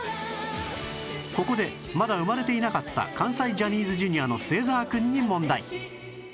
ここでまだ生まれていなかった関西ジャニーズ Ｊｒ． の末澤くんに問題